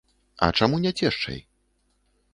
А чаму не цешчай?